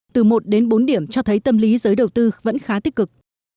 từ một đến bốn điểm cho thấy tâm lý giới đầu tư vẫn khá tích cực